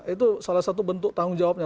itu salah satu bentuk tanggung jawabnya